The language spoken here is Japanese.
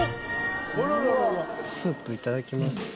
あらららスープいただきます